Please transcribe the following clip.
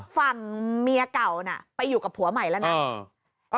ฝั่งเมียเก่าน่ะไปอยู่กับผัวใหม่แล้วนะ